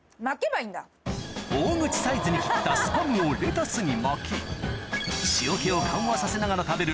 大口サイズに切ったスパムをレタスに巻き塩気を緩和させながら食べる